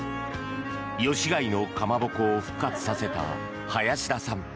吉開のかまぼこを復活させた林田さん。